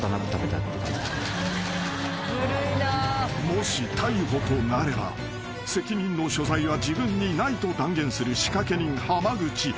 ［もし逮捕となれば責任の所在は自分にないと断言する仕掛け人濱口］